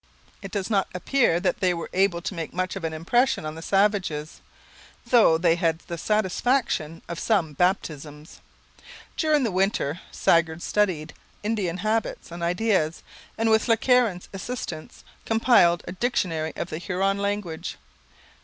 It does not appear that they were able to make much of an impression on the savages, though they had the satisfaction of some baptisms. During the winter Sagard studied Indian habits and ideas, and with Le Caron's assistance compiled a dictionary of the Huron language.